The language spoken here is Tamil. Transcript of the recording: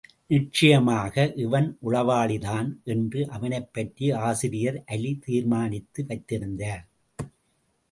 நிச்சயமாக இவன் உளவாளிதான்! என்று அவனைப்பற்றி ஆசிரியர் அலி தீர்மானித்து வைத்திருந்தார்.